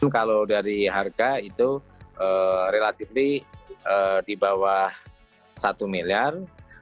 kalau dari harga itu relatif di bawah satu miliar